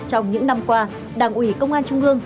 trong những năm qua đảng ủy công an trung ương